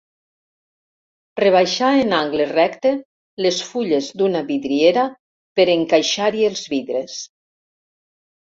Rebaixar en angle recte les fulles d'una vidriera per encaixar-hi els vidres.